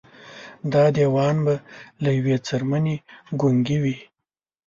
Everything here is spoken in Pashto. دا دېوان به له ېوې څېرمې ګونګي وي